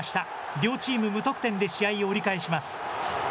両チーム無得点で試合を折り返します。